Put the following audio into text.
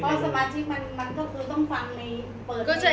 เพราะสมาชิกมันก็คือต้องฟังในเปิด